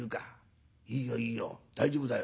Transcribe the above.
いいよいいよ大丈夫だよ。